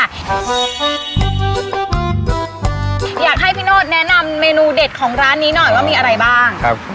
อยากให้พี่โนธแนะนำเมนูเด็ดของร้านนี้หน่อยว่ามีอะไรบ้างครับ